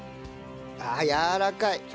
ああやわらかい！